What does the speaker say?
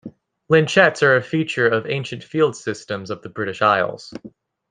Lynchets are a feature of ancient field systems of the British Isles.